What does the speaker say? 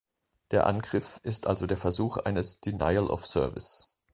Der Angriff ist also der Versuch eines Denial of Service.